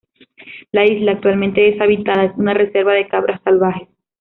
La isla, actualmente deshabitada, es una reserva de cabras salvajes.